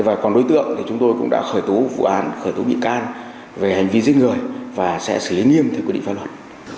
và còn đối tượng thì chúng tôi cũng đã khởi tố vụ án khởi tố bị can về hành vi giết người và sẽ xử lý nghiêm theo quy định pháp luật